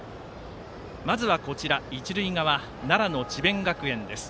まずは、一塁側奈良の智弁学園です。